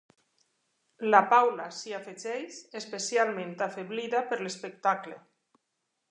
La Paula s'hi afegeix, especialment afeblida per l'espectacle.